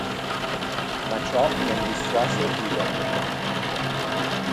Ma ciò non dissuase Eleanor.